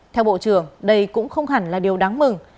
theo bộ trưởng đây cũng không hẳn là điều đáng mừng